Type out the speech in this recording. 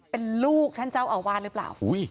เป็นลูกท่านเจ้าอาวาสหรือเปล่า